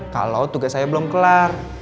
kalau tugas saya belum kelar